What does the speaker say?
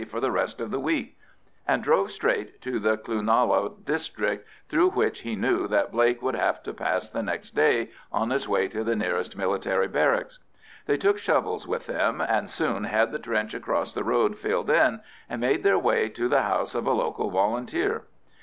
for the rest of the week—and drove straight to the Cloonalla district, through which he knew that Blake would have to pass the next day on his way to the nearest military barracks. They took shovels with them, and soon had the trench across the road filled in, and made their way to the house of a local Volunteer.